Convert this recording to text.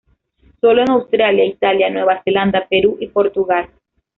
Sólo en Australia, Italia, Nueva Zelanda, Perú y Portugal.